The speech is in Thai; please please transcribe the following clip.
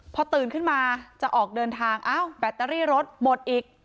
พอตื่นขึ้นมาจะออกเดินทางอ้าวแบตเตอรี่รถหมดอีก